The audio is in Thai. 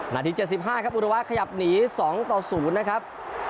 นาทีเจ็ดสิบห้าครับอุรวะขยับหนีสองต่อศูนย์นะครับ